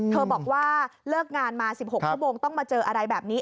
บอกว่าเลิกงานมา๑๖ชั่วโมงต้องมาเจออะไรแบบนี้